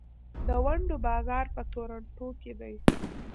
د ونډو بازار په تورنټو کې دی.